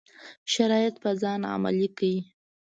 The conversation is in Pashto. شرایط په ځان عملي کړي.